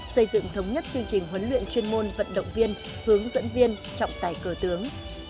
xây dựng thống nhất chương trình huấn luyện chuyên môn vận động viên hướng dẫn viên trọng tài cờ tướng